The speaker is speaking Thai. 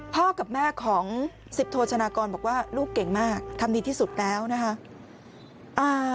พ่อกับแม่ของสิบโทชนากรบอกว่าลูกเก่งมากทำดีที่สุดแล้วนะคะ